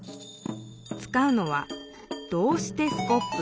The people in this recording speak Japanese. つかうのは「どうしてスコップ」。